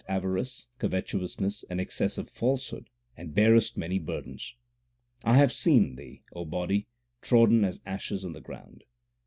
avarice, covetousness, and excessive falsehood, and bearest many burdens. I have seen thee, O body, trodden as ashes on the ground.